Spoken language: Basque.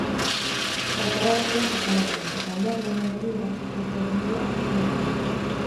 Baikor agertu da jokalaria, eta taldeak lehen mailari eutsiko diola ziur dago.